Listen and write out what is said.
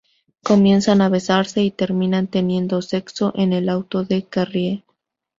Comienzan a besarse y terminan teniendo sexo en el auto de Carrie.